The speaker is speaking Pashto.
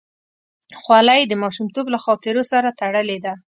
خولۍ د ماشومتوب له خاطرو سره تړلې ده.